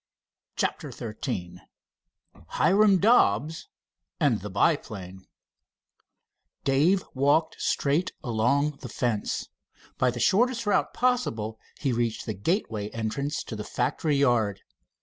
CHAPTER XIII HIRAM DOBBS AND THE BIPLANE Dave walked straight along the fence. By the shortest route possible he reached the gateway entrance to the factory yard.